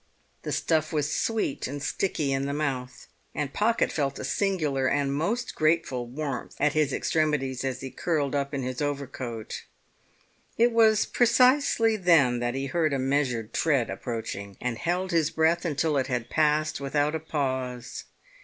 The stuff was sweet and sticky in the mouth, and Pocket felt a singular and most grateful warmth at his extremities as he curled up in his overcoat. It was precisely then that he heard a measured tread approaching, and held his breath until it had passed without a pause.